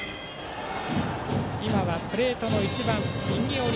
プレートの一番右寄り